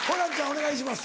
お願いします。